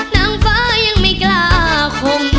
นางฟ้ายังไม่กล้าคม